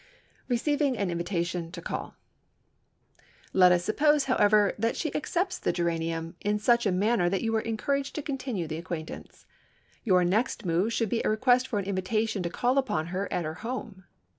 RECEIVING AN INVITATION TO CALL Let us suppose, however, that she accepts the geranium in such a manner that you are encouraged to continue the acquaintance. Your next move should be a request for an invitation to call upon her at her home.